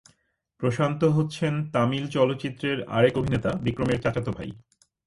প্রশান্ত হচ্ছেন তামিল চলচ্চিত্রের আরেক অভিনেতা বিক্রমের চাচাত ভাই।